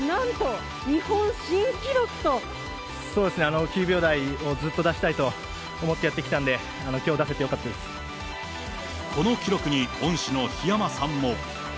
そうですね、９秒台をずっと出したいと思ってやってきたんで、この記録に、恩師の日山さんも。